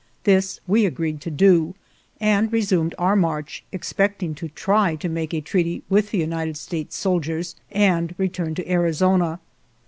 This we agreed to do, and resumed our march, expecting to try to make a treaty with the United States sol diers and return to Arizona.